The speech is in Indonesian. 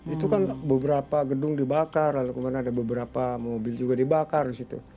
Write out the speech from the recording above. itu kan beberapa gedung dibakar lalu kemudian ada beberapa mobil juga dibakar di situ